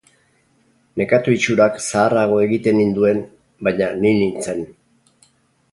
Nekatu itxurak zaharrago egiten ninduen, baina ni nintzen.